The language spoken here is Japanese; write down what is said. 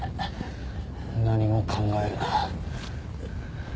何も考えるな。